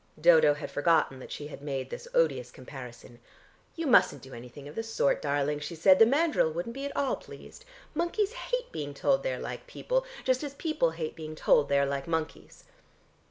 '" Dodo had forgotten that she had made this odious comparison. "You mustn't do anything of the sort, darling," she said. "The mandrill wouldn't be at all pleased. Monkeys hate being told they are like people, just as people hate being told they are like monkeys."